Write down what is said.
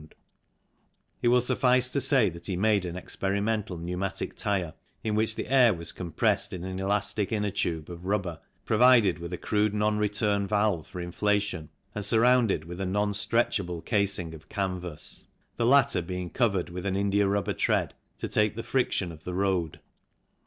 THE PNEUMATIC AND OTHER TYRES 53 It will suffice to say that he made an experimental pneumatic tyre in which the air was compressed in an elastic inner tube of rubber provided with a crude non return valve for inflation and surrounded with a non stretchable casing of canvas, the latter being covered with an india rubber tread to take the friction of the road.